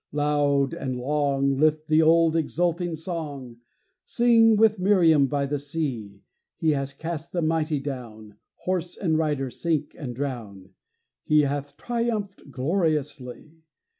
Loud and long Lift the old exulting song; Sing with Miriam by the sea, He has cast the mighty down; Horse and rider sink and drown; "He hath triumphed gloriously!"